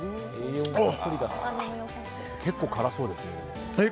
結構、辛そうですね。